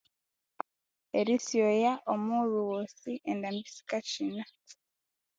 Erisyoya omughulhu ghosi endambi sikachina